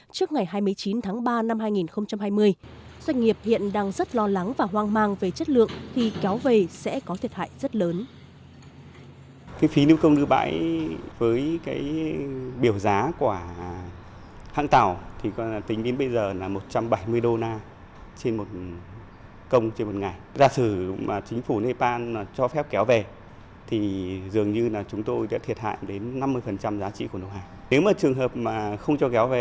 trước ngày hai mươi chín tháng ba năm hai nghìn hai mươi doanh nghiệp hiện đang rất lo lắng và hoang mang về chất lượng khi kéo về sẽ có thiệt hại rất lớn